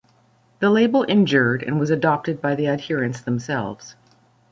The label endured and was adopted by the adherents themselves.